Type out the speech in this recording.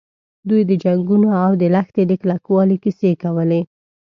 دوی د جنګونو او د لښتې د کلکوالي کیسې کولې.